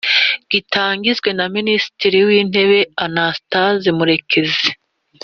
gitangizwe na Minisitiri w’Intebe Anastase Murekezi